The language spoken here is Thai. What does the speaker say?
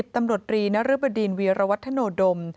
ตำรวจรีนรบดินวีรวัฒโนดม